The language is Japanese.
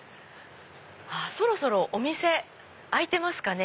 そろそろお店開いてますかね。